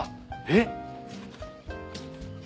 えっ？